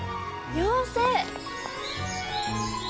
妖精！